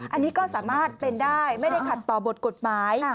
อันนี้ก็สามารถเป็นได้ไม่ได้ขัดต่อบทกฎหมาย